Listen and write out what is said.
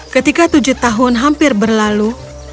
ketika tujuh tahun hampir berlalu